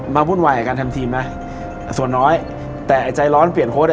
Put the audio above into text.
มาพุ่นวัยการทำทีมส่วนน้อยแต่ใจร้อนเปลี่ยนโค้ดส่วนใหญ่